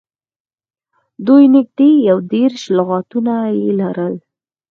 دوی نږدې یو دېرش لغاتونه یې لرل